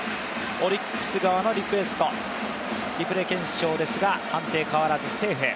オリックス側のリクエスト、リプレー検証ですが、判定変わらずセーフ。